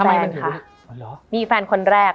มันทำให้ชีวิตผู้มันไปไม่รอด